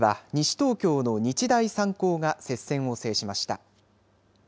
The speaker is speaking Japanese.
東京の日大三高が接戦を制しました。